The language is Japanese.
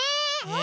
え！